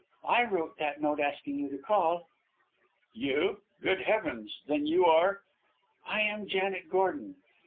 I wrote that note asking you to call." "You? Good Heavens! Then you are " "I am Janet Gordon.